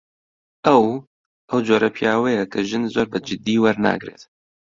ئەو، ئەو جۆرە پیاوەیە کە ژن زۆر بەجددی وەرناگرێت.